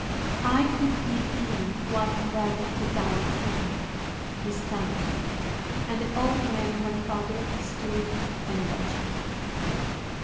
"I could give thee white velvet to thy train," he stammered, and the old man, her father, stood and watched.